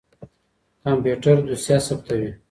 کمپيوټر دوسيه ثبتوي.